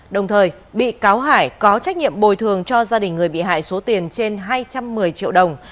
đồng thời bị cáo hải có trách nhiệm bồi thường cho gia đình người bị hại số tiền trên hai trăm một mươi triệu đồng